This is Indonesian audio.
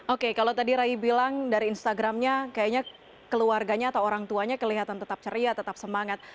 oke kalau tadi ray bilang dari instagramnya kayaknya keluarganya atau orang tuanya kelihatan tetap ceria tetap semangat